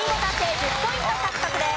１０ポイント獲得です。